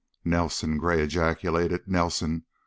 "Nelson!" Gray ejaculated. "Nelson!